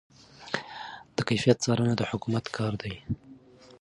د کیفیت څارنه د حکومت کار دی.